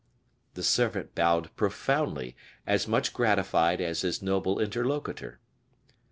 The servant bowed profoundly, as much gratified as his noble interlocutor.